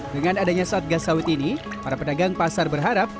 dengan adanya satgas sawit ini para pedagang pasar berharap